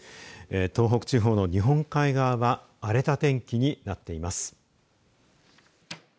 東北地方の日本海側は荒れた天気になっています。